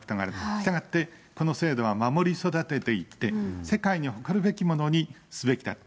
したがって、この制度は守り育てていって、世界に誇るべきものにすべきだと。